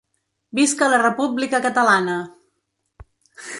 Visca la república catalana!